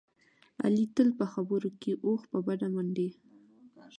علي تل په خبرو کې اوښ په بډه منډي.